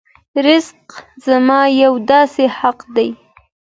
رزق زما یو داسې حق دی.